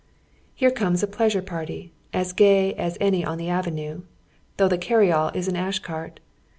Here coines a pleasure party, as gay as any on tlio ave nue, though the carry all is an ash cart.